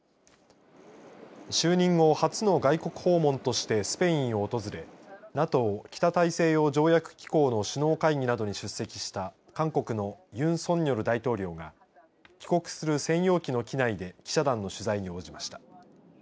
就任後、初の外国訪問としてスペインを訪れＮＡＴＯ、北大西洋条約機構の首脳会議などに出席した韓国のユン・ソンニョル大統領が帰国する専用機の機内で記者団の取材に応じました。